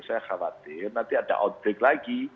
saya khawatir nanti ada outbreak lagi